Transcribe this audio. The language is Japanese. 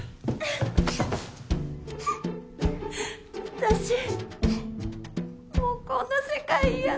私もうこんな世界嫌だ